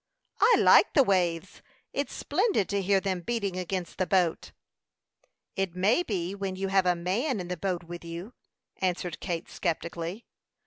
"I like the waves! It's splendid to hear them beating against the boat." "It may be when you have a man in the boat with you," answered Kate, sceptically.